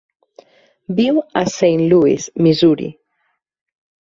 Viu a Saint Louis (Missouri).